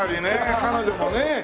彼女もね